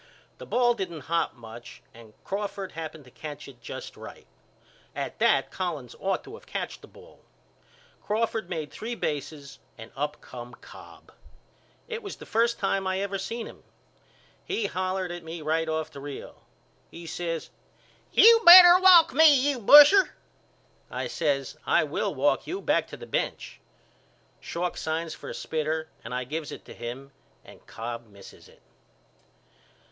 The ball didn't hop much and Crawford happened to catch it just right. At that Collins ought to of catched the ball. Crawford made three bases and up come Cobb. It was the first time I ever seen him. He hollered at me right off the reel. He says You better walk me you busher. I says I will walk you back to the bench. Schalk signs for a spitter and I gives it to him and Cobb misses it.